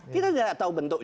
kita tidak tahu bentuknya